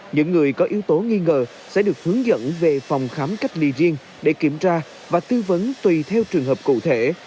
những người có yếu tố nghi ngờ sẽ được hướng dẫn về phòng khám cách ly riêng để kiểm tra và tư vấn tùy theo trường hợp cụ thể